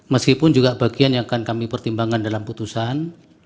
meskipun juga bagian yang akan kami pertimbangkan dalam putusan